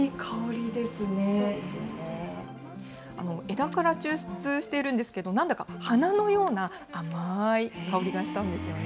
枝から抽出しているんですけど、なんだか花のようなあまーい香りがしたんですよね。